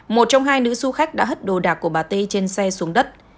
một trong hai nữ du khách đã hất đồ đạc của bà t trên xe xuống đất